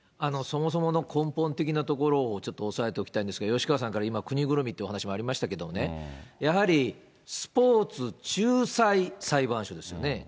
そもそもの根本的なところをちょっと押さえておきたいんですけど、吉川さんから今、国ぐるみってお話もありましたけれどもね、やはりスポーツ仲裁裁判所ですよね。